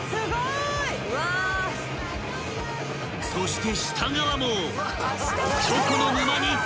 ［そして下側も］